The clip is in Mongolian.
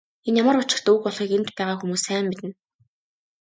Энэ ямар учиртай үг болохыг энд байгаа хүмүүс сайн мэднэ.